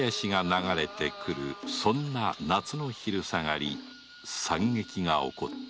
そんな夏の昼下がり惨劇が起こった